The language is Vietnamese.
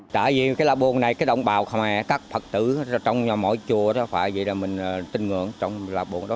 tại vì cái lá buông này cái đồng bào khơ me cắt phật tử trong mỗi chùa đó phải vậy là mình tin ngưỡng trong lá buông đó